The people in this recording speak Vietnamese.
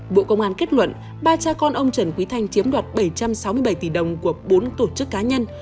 bộ công an kết luận ba cha con ông trần quý thanh chiếm đoạt bảy trăm sáu mươi bảy tỷ đồng của bốn tổ chức cá nhân